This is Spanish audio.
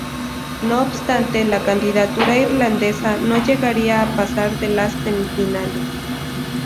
No obstante, la candidatura irlandesa no llegaría a pasar de las semifinales.